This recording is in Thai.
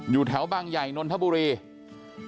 อยู่แถวบางใหญ่นนทบุรี